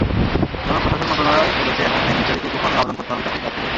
জনপ্রশাসন মন্ত্রণালয় বলেছে, এখন থেকে নির্ধারিত একটি ফরমে আবেদন করতে হবে চাকরিপ্রার্থীদের।